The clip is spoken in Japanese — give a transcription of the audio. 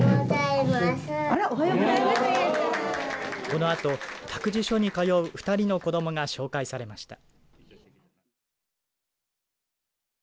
このあと託児所に通う２人の子どもが紹介されました。